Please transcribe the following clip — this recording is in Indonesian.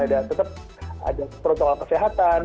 tetap ada protokol kesehatan